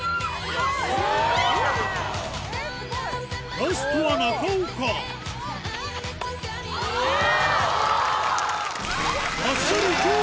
ラストは中岡おぉ！